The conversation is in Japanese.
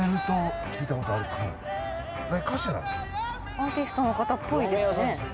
アーティストの方っぽいですね。